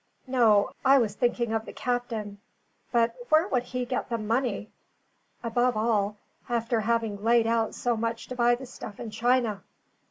No; I was thinking of the captain. But where would he get the money? above all, after having laid out so much to buy the stuff in China?